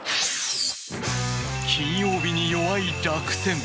金曜日に弱い楽天。